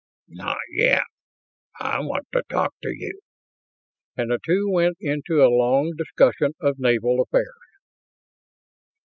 "Not yet. I want to talk to you," and the two went into a long discussion of naval affairs.